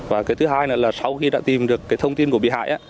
và cái thứ hai là sau khi đã tìm được cái thông tin của bị hại